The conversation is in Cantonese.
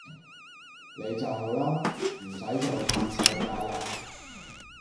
你就好啦！唔駛做嘆世界啦